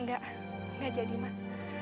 nggak nggak jadi mak